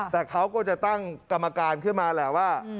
แต่เขาก็จะตั้งกรรมการขึ้นมาแหละว่า